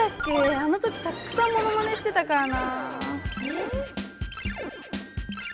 あのときたくさんモノマネしてたからな。